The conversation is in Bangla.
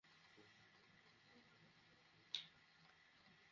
আপা আমাকে নিয়ে লাইব্রেরিতে এলেন সেখানে আগে থাকতেই শামীম ভাই ছিলেন।